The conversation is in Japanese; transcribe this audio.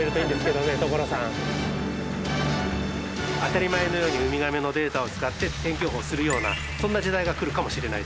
当たり前のようにウミガメのデータを使って天気予報をするようなそんな時代が来るかもしれない。